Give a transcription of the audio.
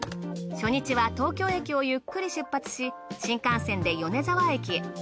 初日は東京駅をゆっくり出発し新幹線で米沢駅へ。